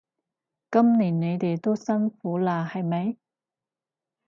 今年你哋都辛苦喇係咪？